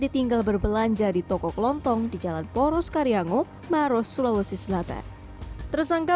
ditinggal berbelanja di toko kelontong di jalan poros karyangok maros sulawesi selatan tersangka